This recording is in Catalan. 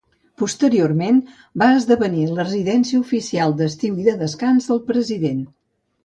Posteriorment, va esdevenir la residència oficial d'estiu i de descans del president.